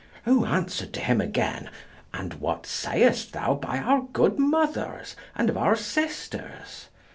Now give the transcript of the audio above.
Who answered to him again, "And what sayest thou by our good mothers, and of our sisters?"